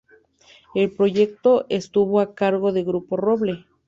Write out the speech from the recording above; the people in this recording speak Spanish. El proyecto estuvo a cargo de Grupo Roble.